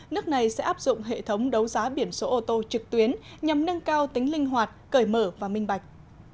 nước này sẽ áp dụng hệ thống đấu giá biển số ô tô trực tuyến nhằm nâng cao tính linh hoạt cởi mở và minh bạch